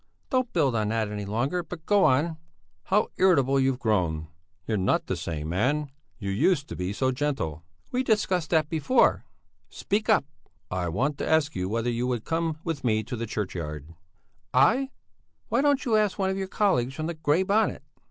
"Don't build on that any longer! But go on." "How irritable you've grown! You're not the same man; you used to be so gentle." "We discussed that before! Speak up!" "I want to ask you whether you would come with me to the churchyard." "I? Why don't you ask one of your colleagues from the Grey Bonnet?"